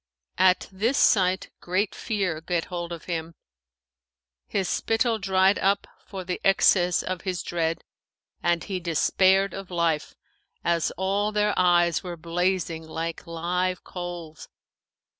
At this sight, great fear get hold of him; his spittle dried up for the excess of his dread and he despaired of life, as all their eyes were blazing like live coals.